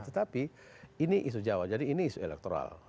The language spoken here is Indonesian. tetapi ini isu jawa jadi ini isu elektoral